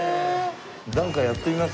なんかやってみますか。